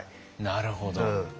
なるほど。